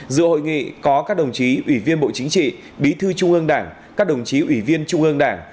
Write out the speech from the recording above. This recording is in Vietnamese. dự hội nghị có các đồng chí ủy viên bộ chính trị bí thư trung ương đảng các đồng chí ủy viên trung ương đảng